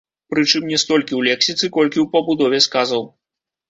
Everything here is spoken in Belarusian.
Прычым не столькі ў лексіцы, колькі ў пабудове сказаў.